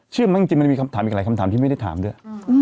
จริงมันจะมีคำถามอีกหลายคำถามที่ไม่ได้ถามด้วย